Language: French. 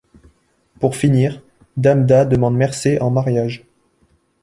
Pour finir, Dame Da demande Mercer en mariage.